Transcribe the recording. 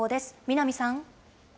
南さん。